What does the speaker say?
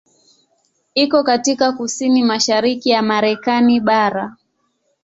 Iko katika kusini-mashariki ya Marekani bara.